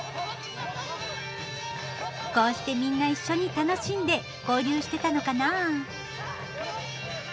こうしてみんな一緒に楽しんで交流してたのかなあ。